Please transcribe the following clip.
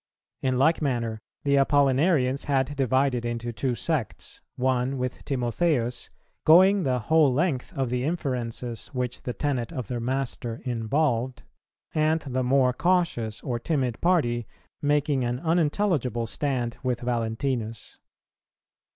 In like manner, the Apollinarians had divided into two sects; one, with Timotheus, going the whole length of the inferences which the tenet of their master involved, and the more cautious or timid party making an unintelligible stand with Valentinus.